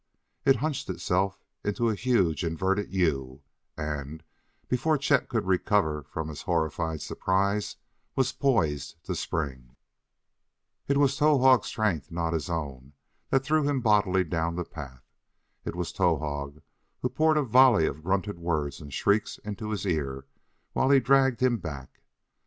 It hunched itself into a huge inverted U and, before Chet could recover from his horrified surprise, was poised to spring. It was Towahg's strength, not his own, that threw him bodily down the path. It was Towahg who poured a volley of grunted words and shrieks into his ear, while he dragged him back.